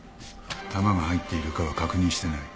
弾が入っているかは確認してない。